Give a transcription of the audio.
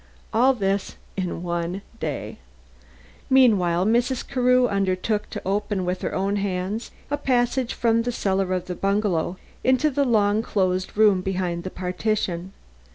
All this in one day. Meanwhile Mrs. Carew undertook to open with her own hands a passage from the cellar of the bungalow into the long closed room behind the partition.